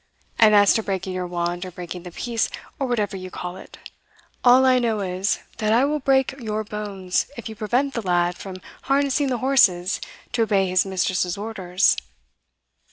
And as to breaking your wand, or breaking the peace, or whatever you call it, all I know is, that I will break your bones if you prevent the lad from harnessing the horses to obey his mistress's orders."